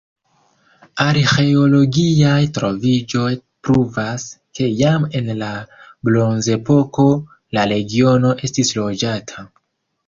Arĥeologiaj trovaĵoj pruvas, ke jam en la bronzepoko la regiono estis loĝata.